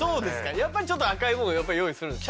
やっぱりちょっと赤いものを用意するんですか？